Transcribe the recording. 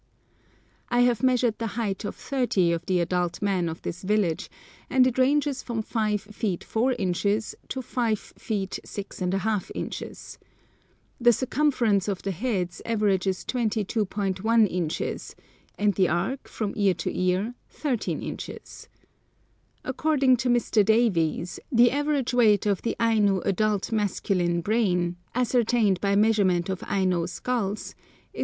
I have measured the height of thirty of the adult men of this village, and it ranges from 5 feet 4 inches to 5 feet 6½ inches. The circumference of the heads averages 22.1 inches, and the arc, from ear to ear, 13 inches. According to Mr. Davies, the average weight of the Aino adult masculine brain, ascertained by measurement of Aino skulls, is 45.